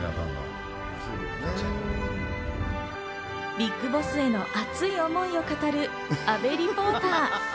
ＢＩＧＢＯＳＳへの熱い思いを語る阿部リポーター。